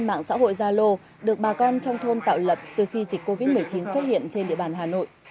mạng xã hội gia lô được bà con trong thôn tạo lập từ khi dịch covid một mươi chín xuất hiện trên địa bàn hà nội